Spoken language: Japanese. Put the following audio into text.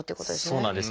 そうなんです。